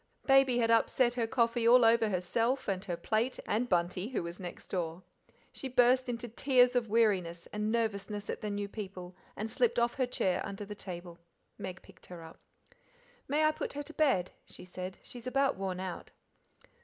Baby had upset her coffee all over herself and her plate and Bunty, who was next door. She burst into tears of weariness and nervousness at the new people, and slipped off her chair under the table. Meg picked her up. "May I put her to bed?" she said; "she is about worn out."